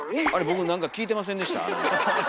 僕なんか聞いてませんでした？